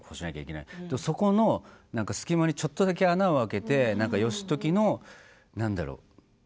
そこの隙間にちょっとだけ穴を開けて義時のなんだろう